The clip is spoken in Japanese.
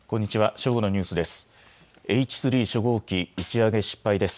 正午のニュースです。